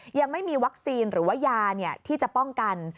ยังไม่มีวัคซีนหรือว่ายาที่จะป้องกัน